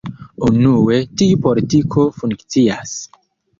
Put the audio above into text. Unue, tiu politiko funkcias.